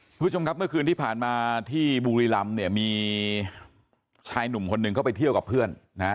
คุณผู้ชมครับเมื่อคืนที่ผ่านมาที่บุรีรำเนี่ยมีชายหนุ่มคนหนึ่งเข้าไปเที่ยวกับเพื่อนนะฮะ